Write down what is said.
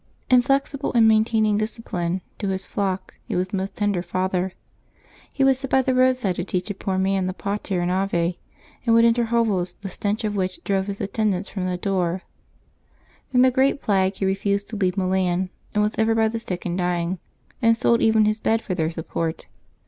Inflexible in maintaining discipline, to his flock he was a most tender father. He would sit by the roadside to teach a poor man the Pater and Ave, and would enter hovels the stench of which drove his attendants from the door. During the great plague he refused to leave Milan, and was ever by the sick and dying, and sold even his bed for their support.